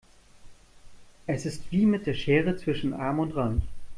Es ist wie mit der Schere zwischen arm und reich.